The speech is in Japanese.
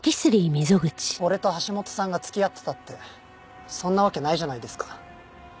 俺と橋本さんが付き合ってたってそんなわけないじゃないですか。